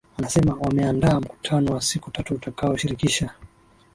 anasema wameandaa mkutano wa siku tatu utakao shirikisha